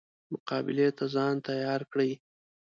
مقابلې ته ځان تیار کړي.